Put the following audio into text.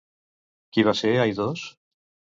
Qui va ser Aidós?